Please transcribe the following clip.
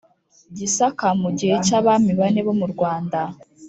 gisaka mu gihe cy'abami bane bo mu rwanda: